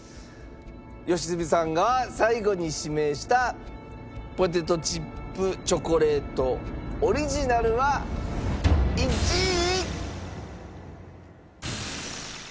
良純さんが最後に指名したポテトチップチョコレートオリジナルは１位。